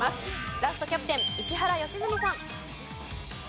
ラストキャプテン石原良純さん。